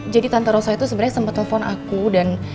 jadi tante rosso itu sebenernya sempet telfon aku dan